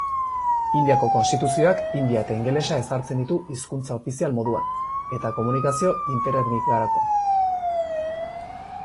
Indiako konstituzioak hindia eta ingelesa ezartzen ditu hizkuntza ofizial moduan eta komunikazio interetnikarako.